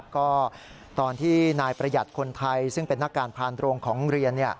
ก็ตอนที่นายประหยัดคนไทยซึ่งเป็นนักการพานโรงของเรียน